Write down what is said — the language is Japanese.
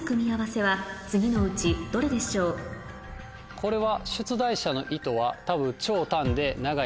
これは。